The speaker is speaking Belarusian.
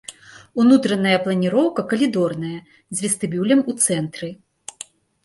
Унутраная планіроўка калідорная, з вестыбюлем у цэнтры.